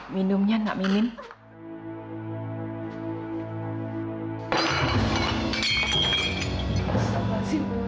minumnya enggak minum